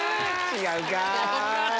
違うか。